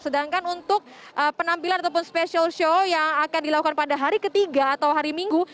sedangkan untuk penampilan ataupun special show yang akan dilakukan pada hari ketiga atau hari minggu